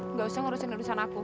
nggak usah ngurusin urusan aku